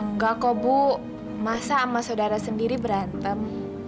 enggak kok bu masa sama saudara sendiri berantem